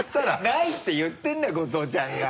ないって言ってるんだ後藤ちゃんが。